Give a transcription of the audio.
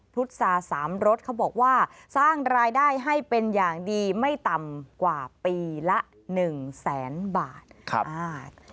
พุษาสามรสเขาบอกว่าสร้างรายได้ให้เป็นอย่างดีไม่ต่ำกว่าปีละหนึ่งแสนบาทครับอ่า